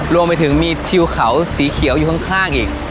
รวมไปถึงมีทิวเขาสีเขียวอยู่ข้างอีก